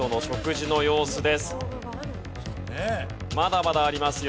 まだまだありますよ